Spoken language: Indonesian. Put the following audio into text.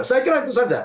saya kira itu saja